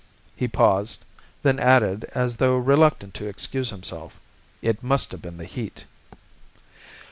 He paused, then added, as though reluctant to excuse himself: "It must have been the heat."